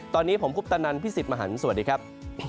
ตอนนี้ผมคุปตะนันพี่สิทธิ์มหันฯสวัสดีครับ